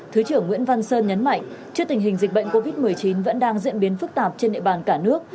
thứ trưởng nguyễn văn sơn nhấn mạnh trước tình hình dịch bệnh covid một mươi chín vẫn đang diễn biến phức tạp trên địa bàn cả nước